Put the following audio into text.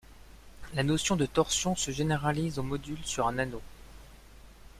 La notion de torsion se généralise aux modules sur un anneau.